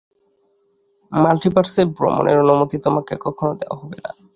মাল্টিভার্সে ভ্রমণের অনুমতি তোমাকে কখনো দেয়া হবে না।